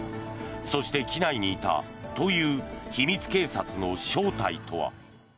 そして、機内にいたという秘密警察の正体とは。